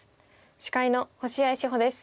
司会の星合志保です。